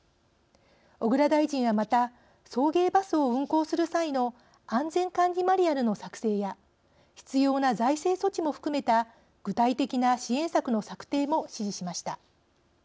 小倉大臣は、また送迎バスを運行する際の安全管理マニュアルの作成や必要な財政措置も含めた具体的な支援策の策定も指示しました。